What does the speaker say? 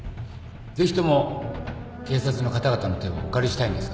ぜひとも警察の方々の手をお借りしたいんですが。